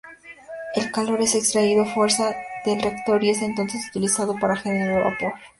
El calor es extraído fuera del reactor y es entonces utilizado para generar vapor.